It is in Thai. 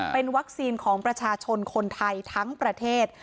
เป็นวัคซีนของประชาชนคนไทยทั้งประเทศ